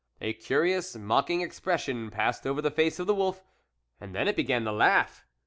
A curious mocking expression passed over the face of the wolf, and then it be gan to laugh.